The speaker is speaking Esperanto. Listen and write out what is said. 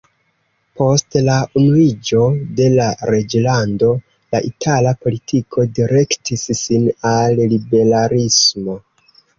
Post la unuiĝo de la Reĝlando la itala politiko direktis sin al liberalismo.